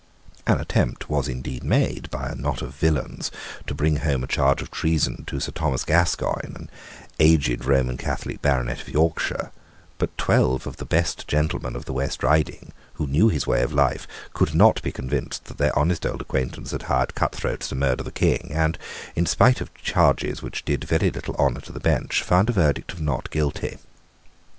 An attempt was indeed made by a knot of villains to bring home a charge of treason to Sir Thomas Gascoigne, an aged Roman Catholic baronet of Yorkshire: but twelve of the best gentlemen of the West Riding, who knew his way of life, could not be convinced that their honest old acquaintance had hired cutthroats to murder the King, and, in spite of charges which did very little honour to the bench, found a verdict of Not Guilty.